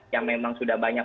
yang memang sudah banyak